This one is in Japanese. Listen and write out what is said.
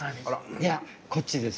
いやこっちです。